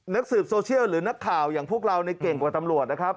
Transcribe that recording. นักสืบโซเชียลหรือนักข่าวอย่างพวกเราในเก่งกว่าตำรวจนะครับ